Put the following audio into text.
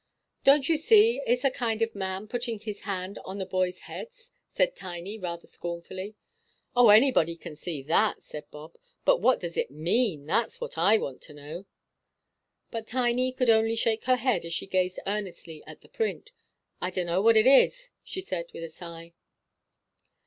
"Don't you see it's a kind man putting his hand on the boys' heads?" said Tiny, rather scornfully. "Oh, anybody can see that," said Bob. "But what does it mean? That's what I want to know." But Tiny could only shake her head as she gazed earnestly at the print. "I dunno what it is," she said, with a sigh.